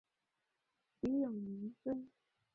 徐永宁孙。